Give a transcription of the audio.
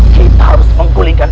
kita harus menggulingkan